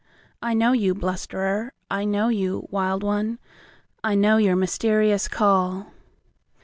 I know you, blusterer; I know you, wild one—I know your mysterious call.